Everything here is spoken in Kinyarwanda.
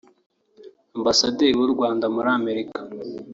Ambasaderi w’u Rwanda muri Amerika